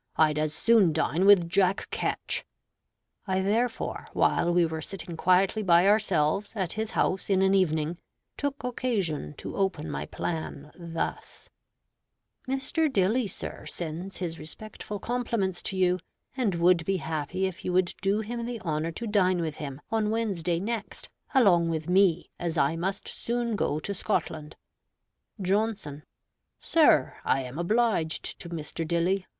I'd as soon dine with Jack Ketch." I therefore, while we were sitting quietly by ourselves at his house in an evening, took occasion to open my plan thus: "Mr. Dilly, sir, sends his respectful compliments to you, and would be happy if you would do him the honor to dine with him on Wednesday next along with me, as I must soon go to Scotland." Johnson Sir, I am obliged to Mr. Dilly.